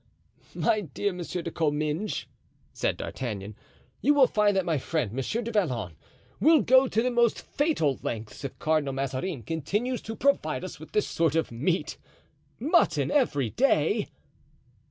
"My dear Monsieur de Comminges," said D'Artagnan, "you will find that my friend, Monsieur du Vallon, will go to the most fatal lengths if Cardinal Mazarin continues to provide us with this sort of meat; mutton every day."